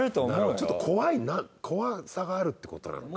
ちょっと怖さがあるってことなのか。